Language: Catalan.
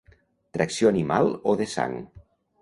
Tracció animal o de sang.